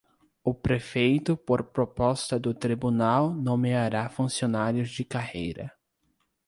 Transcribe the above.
O prefeito, por proposta do Tribunal, nomeará funcionários de carreira.